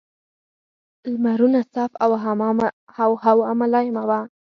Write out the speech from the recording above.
لمرونه صاف او هوا ملایمه وه.